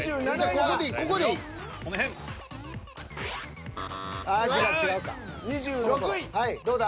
はいどうだ？